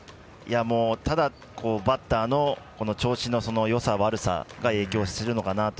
ただバッターの調子のよさ悪さが影響しているのかなと。